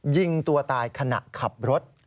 ยิงตัวตายขณะขับรถ